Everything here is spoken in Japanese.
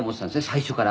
最初から」